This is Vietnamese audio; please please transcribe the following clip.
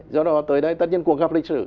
do đó tới đây tất nhiên cuộc gặp lịch sử